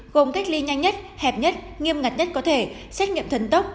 gồm cách ly nhanh nhất hẹp nhất nghiêm ngặt nhất có thể xét nghiệm thần tốc